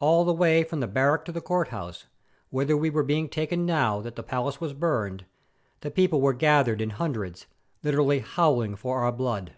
All the way from the barrack to the courthouse, whither we were being taken now that the palace was burned, the people were gathered in hundreds, literally howling for our blood.